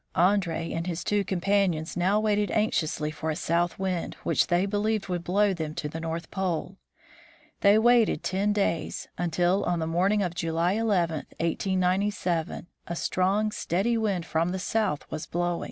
Andree and his two companions now waited anxiously for a south wind, which they believed would blow them to the North Pole. They waited ten days, until, on the morn ing of July 11, 1897, a strong, steady wind from the south was blowing.